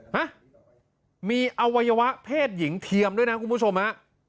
ฮะมีอวัยวะเพศหญิงเทียมด้วยนะคุณผู้ชมฮะ